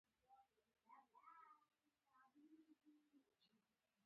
ورزش د بدن سستي له منځه وړي.